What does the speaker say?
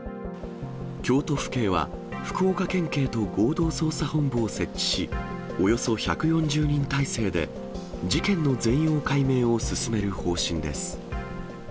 京都府警は、福岡県警と合同捜査本部を設置し、およそ１４０人態勢で、事件の全容解明を進める方針です。